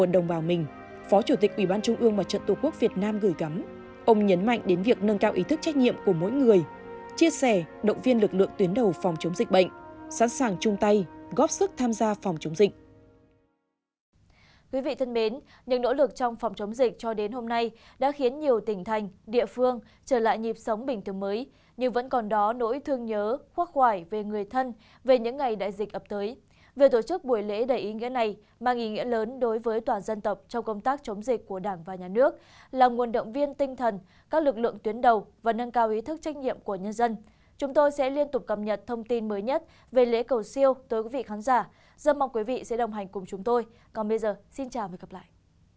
rất mong quý vị sẽ đồng hành cùng chúng tôi còn bây giờ xin chào và hẹn gặp lại